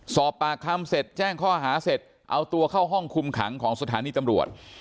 สอบปากคำเสร็จแจ้งข้อหาเสร็จเอาตัวเข้าห้องคุมขังของสถานีตำรวจ